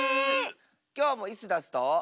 きょうもイスダスと。